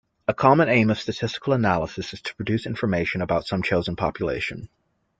A common aim of statistical analysis is to produce information about some chosen population.